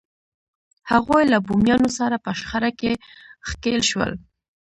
هغوی له بومیانو سره په شخړه کې ښکېل شول.